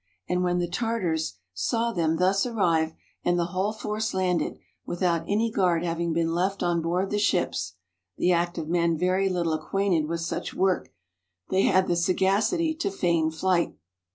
And when the Tartars saw them thus arrive, and the whole force landed, without any guard having been left on board the ships (the act of men very little acquainted with such work), they had the sagacity to feign flight.